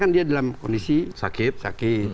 dia dalam kondisi sakit